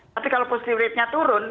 tapi kalau positivity rate nya turun